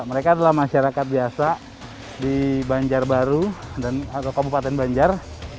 mereka adalah masyarakat biasa di banjarbaru atau kabupaten banjar